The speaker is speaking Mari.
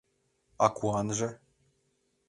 А куанже?